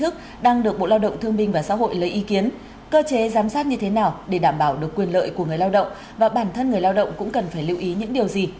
cảm giác như thế nào để đảm bảo được quyền lợi của người lao động và bản thân người lao động cũng cần phải lưu ý những điều gì